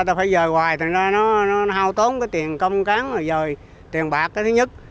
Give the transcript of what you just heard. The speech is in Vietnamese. ta phải dời hoài thành ra nó hao tốn cái tiền công cán rồi dời tiền bạc cái thứ nhất